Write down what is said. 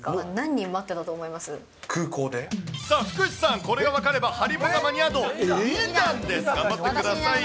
さあ福士さん、これが分かればハリポタマニア度２段です、頑張ってください。